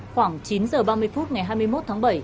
khoảng chín h ba mươi phút ngày hai mươi một tháng bảy